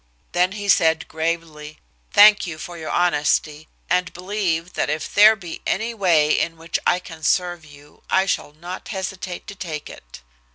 Then he said gravely: "Thank you for your honesty, and believe that if there be any way in which I can serve you, I shall not hesitate to take it."